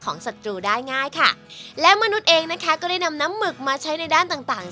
ศัตรูได้ง่ายค่ะแล้วมนุษย์เองนะคะก็ได้นำน้ำหมึกมาใช้ในด้านต่างต่าง